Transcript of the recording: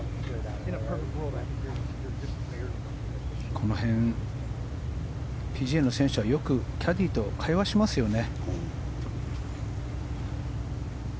この辺、ＰＧＡの選手はよくキャディーと会話しますよね。